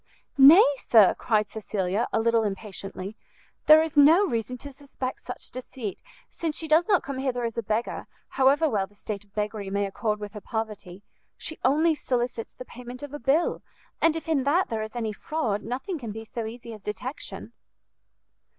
"Nay, sir," cried Cecilia, a little impatiently, "there is no reason to suspect such deceit, since she does not come hither as a beggar, however well the state of beggary may accord with her poverty: she only solicits the payment of a bill, and if in that there is any fraud, nothing can be so easy as detection."